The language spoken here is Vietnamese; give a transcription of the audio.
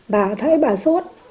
bà thấy bà sốt